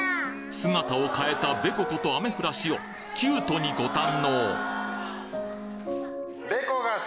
・姿を変えたベコことアメフラシをキュートにご堪能！